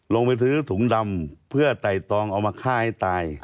ลงไปซื้อถุงดำเพื่อไต่ตองเอามาฆ่าให้ตาย